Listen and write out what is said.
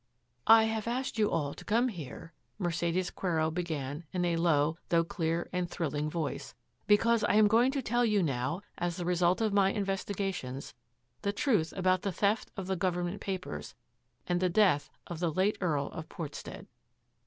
" I have asked you all to come here," Mercedes Quero began in a low, though clear and thrilling voice, " because I am going to tell you now, as the result of my investigations, the truth about the theft of the government papers and the death of the late Earl of Portstead."